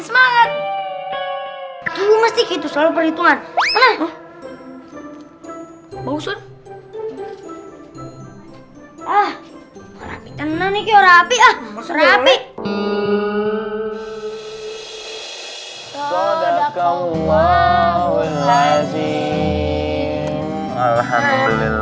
semangat dulu masih gitu selalu perhitungan enak bosan